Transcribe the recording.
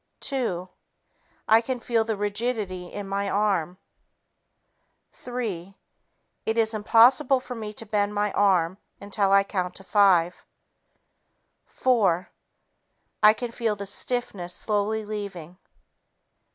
Two ... I can feel the rigidity in my arm. Three ... It is impossible for me to bend my arm until I count to five. Four ... I can feel the stiffness slowly leaving.